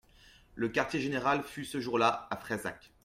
Le quartier-général fut, ce jour-là, à Freisack.